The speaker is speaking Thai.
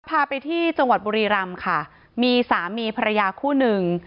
พาไปที่จังหวัดบุรีรำค่ะมีสามีภรรยาคู่หนึ่ง